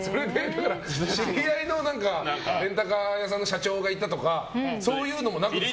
知り合いのレンタカー屋さんの社長がいたとかそういうのもなくですか？